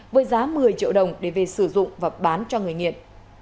với giá một mươi triệu đồng để về sử dụng và bán cho người nghiện